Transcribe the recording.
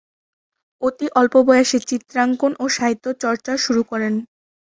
অতি অল্প বয়সে চিত্রাঙ্কন ও সাহিত্য চর্চা শুরু করেন।